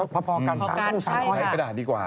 พอกันช้างต้องช้างใช้กระดาษดีกว่า